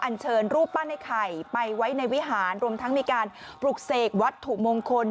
เชิญรูปปั้นไอ้ไข่ไปไว้ในวิหารรวมทั้งมีการปลุกเสกวัตถุมงคล